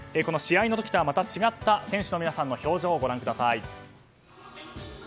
試合の時とはまた違った選手の方たちの表情をご覧ください。